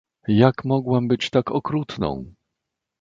"jak mogłam być tak okrutną!"